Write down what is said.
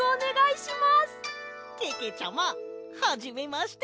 けけちゃまはじめまして！